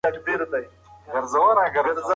د موبایل نمبر دې راکړه.